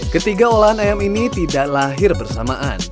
ketiga olahan ayam ini tidak lahir bersamaan